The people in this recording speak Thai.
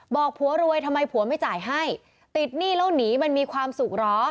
บอกผัวรวยทำไมผัวไม่จ่ายให้ติดหนี้แล้วหนีมันมีความสุขเหรอ